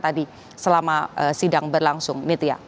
tapi selama sidang berlangsung